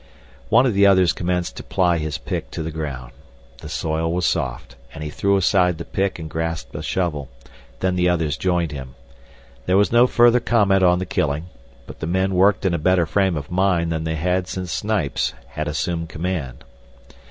One of the others commenced to ply his pick to the ground. The soil was soft and he threw aside the pick and grasped a shovel; then the others joined him. There was no further comment on the killing, but the men worked in a better frame of mind than they had since Snipes had assumed command.